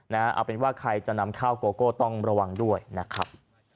เอาเป็นว่าใครจะนำข้าวโกโก้ต้องระวังด้วยนะครับ